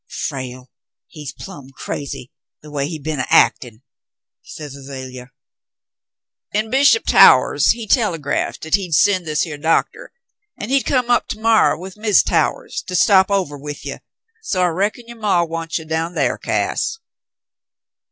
"Frale, he's plumb crazy, the way he's b'en actin'," said Azalea. "An' Bishop Towahs he telegrafted 'at he'd send this here doctah, an' he'd come up to morrer with Miz Towahs to stop ovah with you, so I reckon yer maw wants you down thar, Cass."